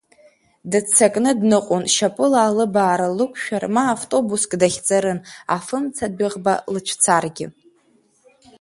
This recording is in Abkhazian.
Дыццакны дныҟәон, шьапыла алыбаара лықәшәар, ма втобуск дахьӡарын, афымцадәыӷба лыцәцаргьы.